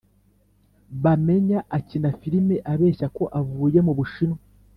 bamenya akina filime abeshya ko avuye mubu shinwa